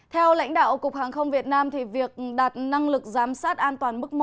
theo lãnh đạo cục hàng không việt nam việc đạt năng lực giám sát an toàn mức một